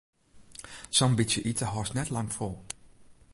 Sa'n bytsje ite hâldst net lang fol.